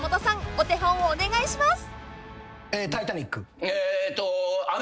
お手本をお願いします］